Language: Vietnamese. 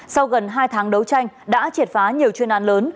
sau gần hai tháng đấu tranh đã triệt phá nhiều chuyên án lớn